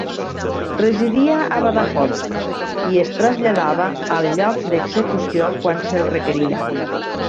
Residia a Badajoz i es traslladava al lloc d'execució quan se'l requeria.